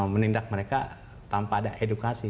menindak mereka tanpa ada edukasi